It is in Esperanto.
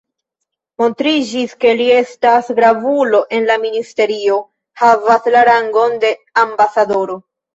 Montriĝis, ke li estas gravulo en la ministerio, havas la rangon de ambasadoro.